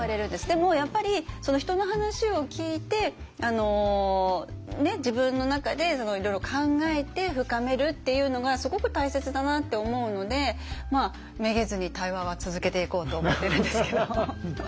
でもやっぱり人の話を聞いてあの自分の中でいろいろ考えて深めるっていうのがすごく大切だなって思うのでめげずに対話は続けていこうと思ってるんですけど。